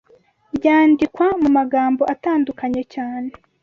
byandikwa mu magambo atandukanye cyane